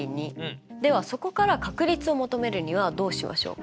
ではそこから確率を求めるにはどうしましょうか？